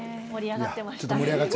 盛り上がっちゃいました。